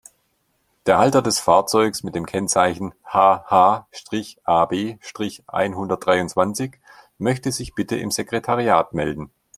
Der Halter des Fahrzeugs mit dem Kennzeichen HH-AB-einhundertdreiundzwanzig möchte sich bitte im Sekretariat melden.